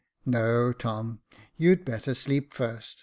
*' No, Tom, you'd better sleep first.